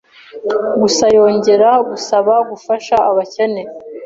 Gusa yongera gusaba gufasha abakene